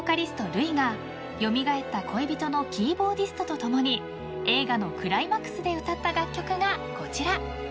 ＲＵＩが蘇った恋人のキーボーディストと共に映画のクライマックスで歌った楽曲がこちら］